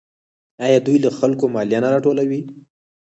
آیا دوی له خلکو مالیه نه راټولوي؟